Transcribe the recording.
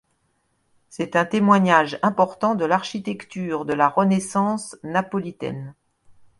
C'est un témoignage important de l'architecture de la Renaissance napolitaine.